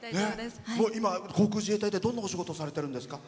今、航空自衛隊でどんなお仕事をされてるんですか。